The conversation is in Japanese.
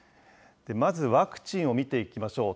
まずワクチンを見ていきましょう。